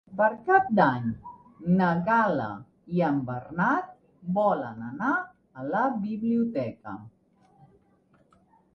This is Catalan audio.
Per Cap d'Any na Gal·la i en Bernat volen anar a la biblioteca.